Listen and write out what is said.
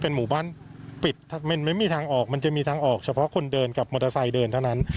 หมู่บ้านปิดมันไม่มีทางออกมันจะมีทางออกเฉพาะคนเดินกับมอเตอร์ไซค์เดินเท่านั้น